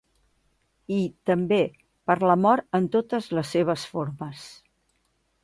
I, també, per la mort en totes les seves formes.